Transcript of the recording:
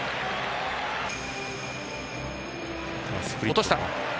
落とした。